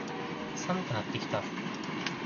寒くなってきた。